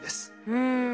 うん。